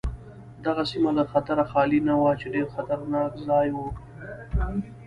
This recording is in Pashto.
دغه سیمه له خطره خالي نه وه چې ډېر خطرناک ځای و.